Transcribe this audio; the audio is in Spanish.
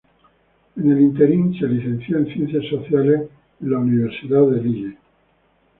En el ínterin se licenció en Ciencias Sociales en la Universidad de Lille.